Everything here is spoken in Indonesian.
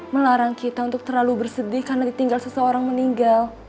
melarang kita untuk terlalu bersedih karena ditinggal seseorang meninggal